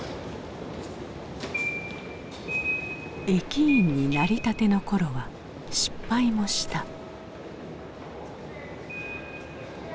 駅員になりたての頃は失敗もした。